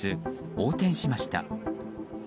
横転しました。